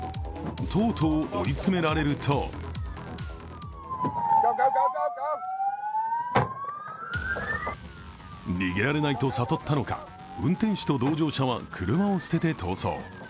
とうとう追い詰められると逃げられないと悟ったのか運転手と同乗者は車を捨てて逃走。